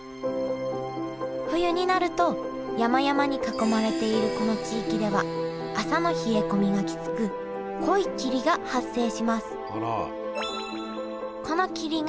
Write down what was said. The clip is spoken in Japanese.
冬になると山々に囲まれているこの地域では朝の冷え込みがきつく濃い霧が発生します